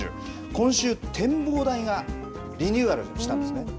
今週展望台がリニューアルしたんですね。